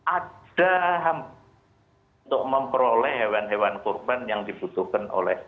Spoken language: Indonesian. ada untuk memperoleh hewan hewan korban yang dibutuhkan